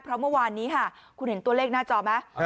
เพราะเมื่อวานนี้ค่ะคุณเห็นตัวเลขหน้าจอไหม